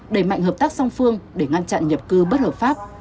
đẩy mạnh hợp tác song phương để ngăn chặn nhập cư bất hợp pháp